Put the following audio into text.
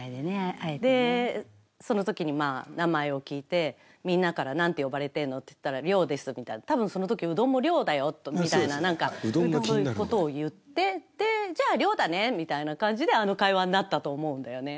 で、そのときに、まあ、名前を聞いて、みんなからなんて呼ばれてんの？って言ったら、亮ですみたいな、たぶんそのとき、うどんも亮だよみたいなことを言っていて、じゃあ、亮だねみたいな感じで、あの会話になったと思うんだよね。